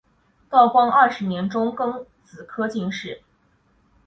道光二十年中庚子科进士。